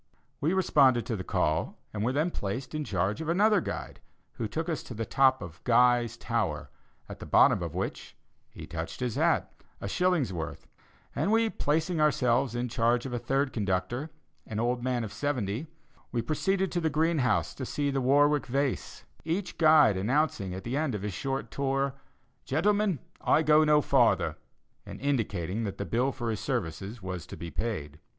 We responded to the call, and were then placed in charge of another guide, who took us to the top of "Guy's Tower," at the bottom of which he touched his hat a shilling's worth; and placing ourselves in charge of a third conductor, an old man of seventy, we proceeded to the Greenhouse to see the Warwick Vase each guide announcing at the end of his short tour: "Gentlemen, I go no farther," and indicating that the bill for his services was to be paid.